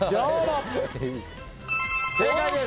正解です。